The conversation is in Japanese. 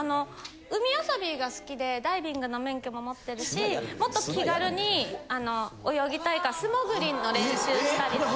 海遊びが好きでダイビングの免許も持ってるしもっと気軽に泳ぎたいから素潜りの練習したり。